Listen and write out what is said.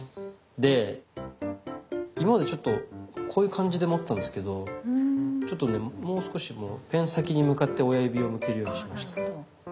で今までちょっとこういう感じで持ってたんですけどちょっとねもう少しペン先に向かって親指を向けるようにしました。